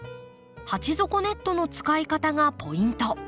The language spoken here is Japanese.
鉢底ネットの使い方がポイント。